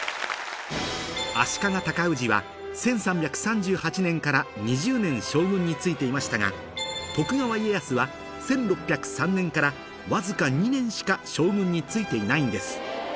足利尊氏は１３３８年から２０年将軍に就いていましたが徳川家康は１６０３年からわずか２年しか将軍に就いていないんです